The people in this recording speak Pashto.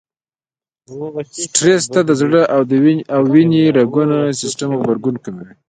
سټرس ته د زړه او وينې رګونو سيستم غبرګون کموي.